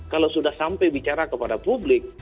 kalau sudah sampai bicara kepada publik